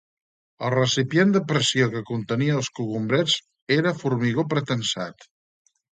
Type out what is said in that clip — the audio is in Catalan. El recipient de pressió que contenia els cogombrets era formigó pretensat.